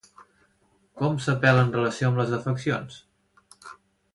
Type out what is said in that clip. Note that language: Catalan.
Com s'apel·la en relació amb les afeccions?